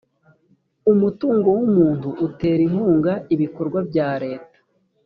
umutungo w umuntu utera inkunga ibikorwa bya leta